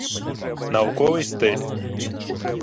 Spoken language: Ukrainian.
Науковий стиль